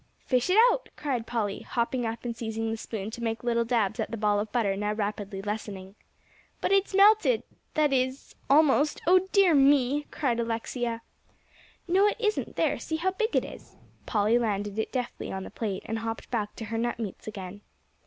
"Fish it out," cried Polly, hopping up and seizing the spoon to make little dabs at the ball of butter now rapidly lessening. "But it's melted that is, almost oh dear me!" cried Alexia. "No, it isn't; there, see how big it is." Polly landed it deftly on the plate and hopped back to her nut meats again.